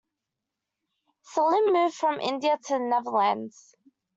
Salim moved from India to the Netherlands.